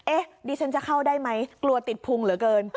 ดิฉันจะเข้าได้ไหมกลัวติดพุงเหลือเกิน